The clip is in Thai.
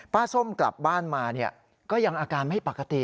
ป้าส้มกลับบ้านมาเนี่ยก็ยังอาการไม่ปกติ